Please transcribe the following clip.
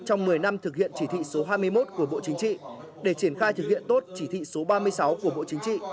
trong một mươi năm thực hiện chỉ thị số hai mươi một của bộ chính trị để triển khai thực hiện tốt chỉ thị số ba mươi sáu của bộ chính trị